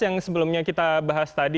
yang sebelumnya kita bahas tadi